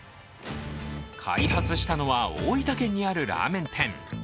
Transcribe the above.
開発したのは大分県にあるラーメン店。